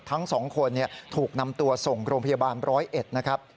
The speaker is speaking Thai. ทั้งสองคนถูกนำตัวส่งโรงพยาบาล๑๐๑นะครับ